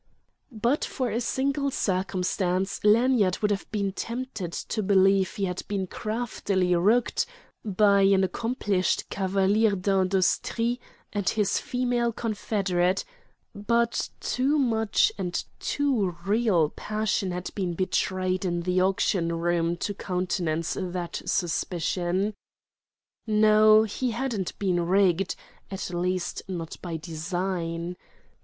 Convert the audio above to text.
But for a single circumstance Lanyard would have been tempted to believe he had been craftily rooked by an accomplished chevalier d'industrie and his female confederate; but too much and too real passion had been betrayed in the auction room to countenance that suspicion. No: he hadn't been rigged; at least, not by design.